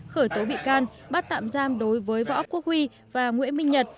khởi tố bị can bắt tạm giam đối với võ quốc huy và nguyễn minh nhật